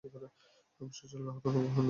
অবশেষে আল্লাহর অনুগ্রহে আরোগ্য লাভ করলেন।